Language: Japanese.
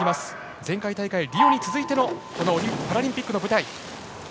前回大会、リオに続いてのパラリンピックの舞台。